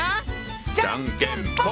じゃんけんぽん！